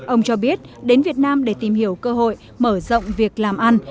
ông cho biết đến việt nam để tìm hiểu cơ hội mở rộng việc làm ăn